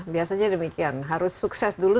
biasanya demikian harus sukses dulu